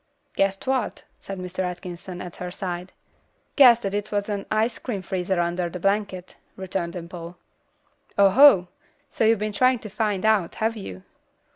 "Guessed what?" said Mr. Atkinson, at her side. "Guessed that it was an ice cream freezer under the blanket," returned Dimple. "Oho! so you've been trying to find out, have you?"